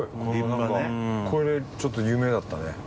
これちょっと夢だったね。